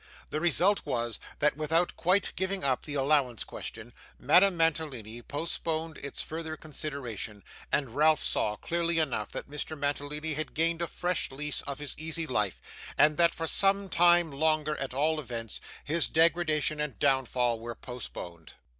The result was, that without quite giving up the allowance question, Madame Mantalini, postponed its further consideration; and Ralph saw, clearly enough, that Mr. Mantalini had gained a fresh lease of his easy life, and that, for some time longer at all events, his degradation and downfall were postponed.